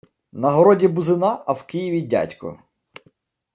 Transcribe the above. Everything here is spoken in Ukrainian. На городі бузина, а в Києві дядько.